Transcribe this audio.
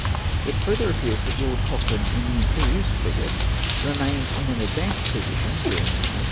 It further appears that Lord Cochrane in the Imperieuse frigate remained in an advanced position during the night, VOL.